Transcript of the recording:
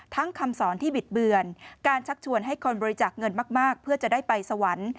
คำสอนที่บิดเบือนการชักชวนให้คนบริจาคเงินมากเพื่อจะได้ไปสวรรค์